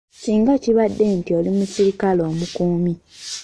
Singa kibadde nti oli muserikale omukuumi.